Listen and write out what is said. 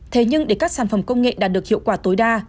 thế nhưng để các sản phẩm công nghệ đạt được hiệu quả tối đa